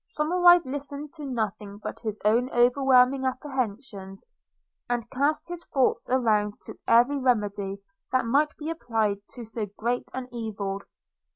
– Somerive listened to nothing but his own overwhelming apprehensions, and cast his thoughts around to every remedy that might be applied to so great an evil.